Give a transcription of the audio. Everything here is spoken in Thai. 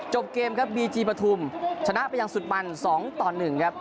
จบเกมครับบีจีปฐุมชนะไปอย่างสุดมัน๒ต่อ๑ครับ